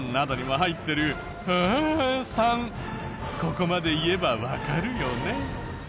ここまで言えばわかるよね？